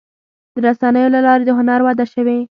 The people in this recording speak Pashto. د رسنیو له لارې د هنر وده شوې.